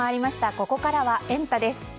ここからはエンタ！です。